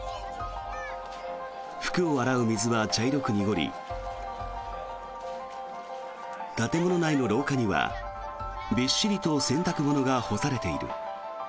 服を洗う水は茶色く濁り建物内の廊下にはびっしりと洗濯物が干されている。